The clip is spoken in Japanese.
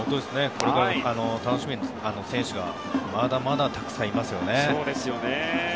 これから楽しみな選手がまだまだたくさんいますよね。